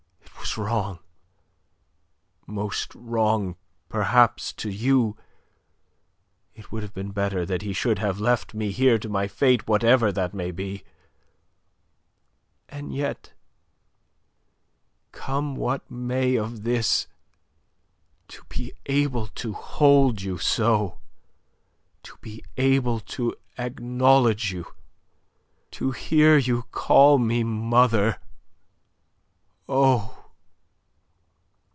It was wrong most wrong, perhaps, to you. It would have been better that he should have left me here to my fate, whatever that may be. And yet come what may of this to be able to hold you so, to be able to acknowledge you, to hear you call me mother oh!